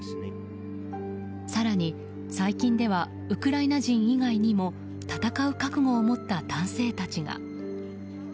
更に、最近ではウクライナ人以外にも戦う覚悟を持った男性たちが。